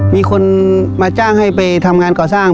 มีคนมาจ้างให้ไปทำงานก่อสร้าง